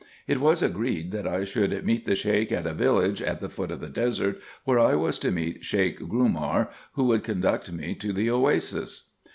It was agreed that I should meet the Sheik at a village at the foot of the desert where I was to meet Sheik Grumar, who would conduct me to the Oasis.